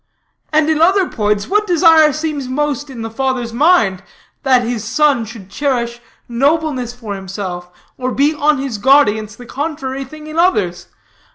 And, in other points, what desire seems most in the father's mind, that his son should cherish nobleness for himself, or be on his guard against the contrary thing in others?